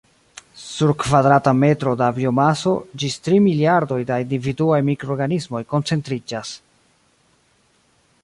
Sur kvadrata metro da biomaso ĝis tri miliardoj da individuaj mikroorganismoj koncentriĝas.